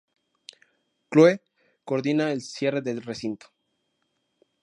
Chloe coordina el cierre del recinto.